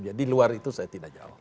jadi luar itu saya tidak jawab